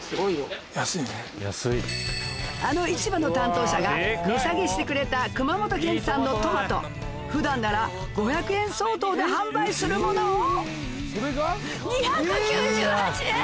あの市場の担当者が値下げしてくれた熊本県産のトマト普段なら５００円相当で販売するものを２９８円！